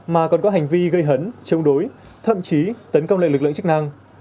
mà còn có hành vi gây hấn chống đối thậm chí tấn công lại lực lượng chức năng